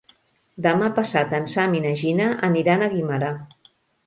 Demà passat en Sam i na Gina aniran a Guimerà.